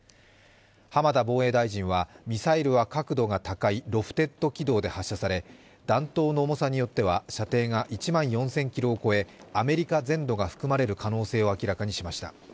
浜田防衛大臣はミサイルは角度が高いロフテッド軌道で発射され弾頭の重さによっては射程が１万４０００ｋｍを超えアメリカ全土が含まれる可能性を明らかにしました。